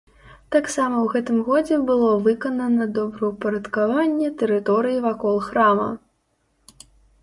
Таксама ў гэтым годзе было выканана добраўпарадкаванне тэрыторыі вакол храма.